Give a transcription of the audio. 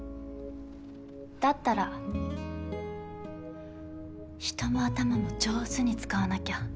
だったら人も頭も上手に使わなきゃ。